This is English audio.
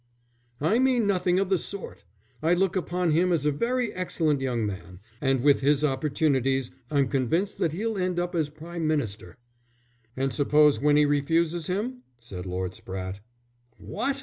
"I mean nothing of the sort. I look upon him as a very excellent young man, and with his opportunities I'm convinced that he'll end up as Prime Minister." "And suppose Winnie refuses him?" said Lord Spratte. "What!"